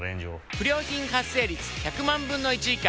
不良品発生率１００万分の１以下。